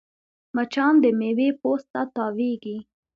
مچان د میوې پوست ته تاوېږي